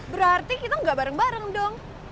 berarti kita gak bareng bareng dong